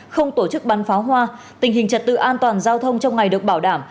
không tổ chức bắn pháo hoa tình hình trật tự an toàn giao thông trong ngày được bảo đảm